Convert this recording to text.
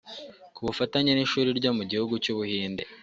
Ku bufatanye n’ishuri ryo mu gihugu cy’u Buhinde